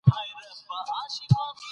استدلال دلته مهم رول لري.